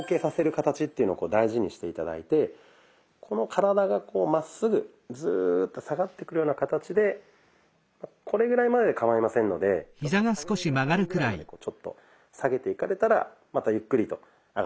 形っていうのを大事にして頂いてこの体がこうまっすぐズーッと下がってくるような形でこれぐらいまででかまいませんのでちょっと下げれる範囲ぐらいまでこうちょっと下げていかれたらまたゆっくりと上がってきます。